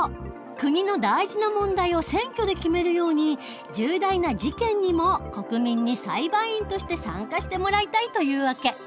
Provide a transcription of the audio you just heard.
国の大事な問題を選挙で決めるように重大な事件にも国民に裁判員として参加してもらいたいという訳。